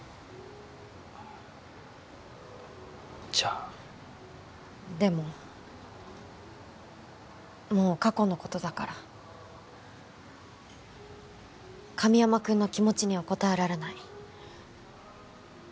あじゃあでももう過去のことだから神山くんの気持ちには応えられない